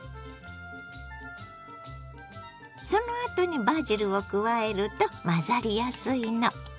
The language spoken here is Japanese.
そのあとにバジルを加えると混ざりやすいの。